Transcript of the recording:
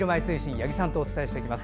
八木さんとお伝えしていきます。